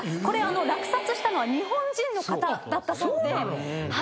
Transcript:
これ落札したのは日本人の方だったそうで。